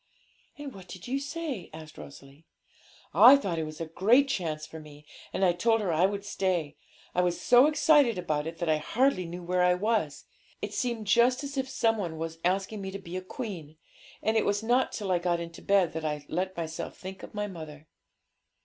'And what did you say?' asked Rosalie. 'I thought it was a great chance for me, and I told her I would stay. I was so excited about it that I hardly knew where I was; it seemed just as if some one was asking me to be a queen. And it was not till I got into bed that I let myself think of my mother.'